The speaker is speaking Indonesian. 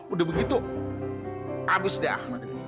udah begitu abis deh ah